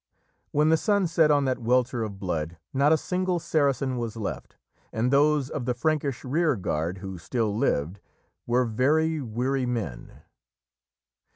'" When the sun set on that welter of blood, not a single Saracen was left, and those of the Frankish rearguard who still lived were very weary men.